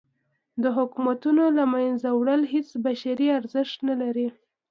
د حکومتونو له منځه وړل هیڅ بشري ارزښت نه لري.